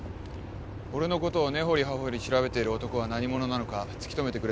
俺のことを根掘り葉掘り調べている男は何者なのか突き止めてくれってね。